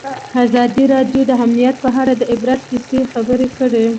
ازادي راډیو د امنیت په اړه د عبرت کیسې خبر کړي.